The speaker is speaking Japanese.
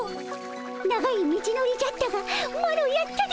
長い道のりじゃったがマロやったでおじゃる。